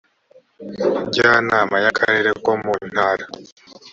njyanama y akarere ko mu ntara